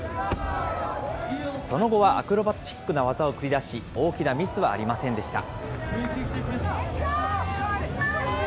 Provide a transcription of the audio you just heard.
その後は、アクロバチックな技を繰り出し、大きなミスはありませんでした。